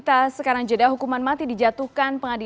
terima kasih pak ade